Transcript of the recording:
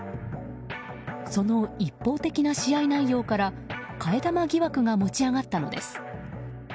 その一方的な試合内容から替え玉疑惑が持ち上がったのです。